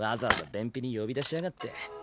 「便秘」に呼び出しやがって。